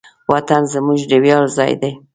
وطن زموږ د ویاړ ځای دی.